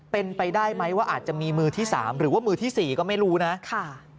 เป็นไปได้ไหมว่าอาจจะมีมือที่สามหรือว่ามือที่สี่ก็ไม่รู้นะค่ะ